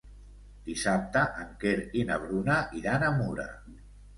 Dissabte en Quer i na Bruna iran a Mura.